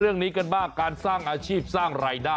เรื่องนี้กันบ้างการสร้างอาชีพสร้างรายได้